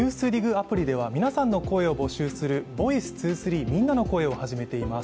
アプリでは皆さんの声を募集する「ｖｏｉｃｅ２３みんなの声」を始めています。